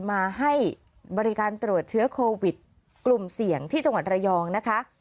มาให้บริการตรวจเชื้อโควิดกลุ่มเสี่ยงที่จังหวัดระยองนะคะ